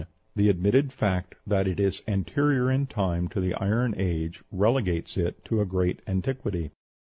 The admitted fact that it is anterior in time to the Iron Age relegates it to a great antiquity.